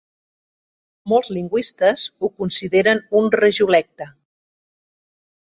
Molts lingüistes ho consideren un regiolecte.